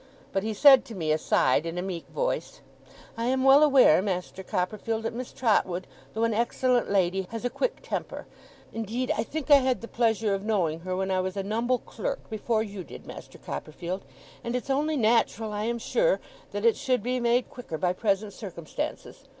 But he said to me aside in a meek voice: 'I am well aware, Master Copperfield, that Miss Trotwood, though an excellent lady, has a quick temper (indeed I think I had the pleasure of knowing her, when I was a numble clerk, before you did, Master Copperfield), and it's only natural, I am sure, that it should be made quicker by present circumstances.